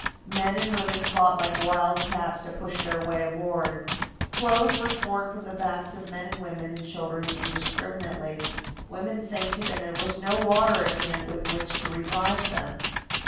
Men and women fought like wild cats to push their way aboard. Clothes were torn from the backs of men and women and children indiscriminately. Women fainted, and there was no water at hand with which to revive them.